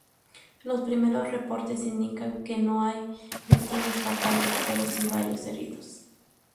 Los primeros reportes indican que no hay víctimas fatales, pero sí varios heridos.